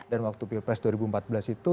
dan waktu pilpres dua ribu empat belas itu